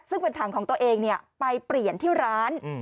ซึ่งเป็นถังของตัวเองไปเปลี่ยนที่ร้าน